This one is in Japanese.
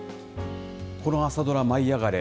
この朝ドラ舞いあがれ！